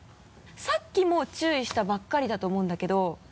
さっきも注意したばっかりだと思うんだけど。